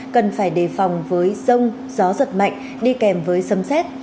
cần phải đề phòng với rông gió giật mạnh đi kèm với sấm xét